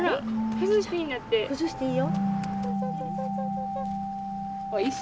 崩していいよ。